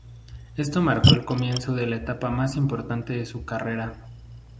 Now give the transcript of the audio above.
Esto marcó el comienzo de la etapa más importante en su carrera.